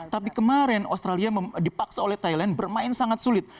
tapi kemarin australia dipaksa oleh thailand bermain sangat sulit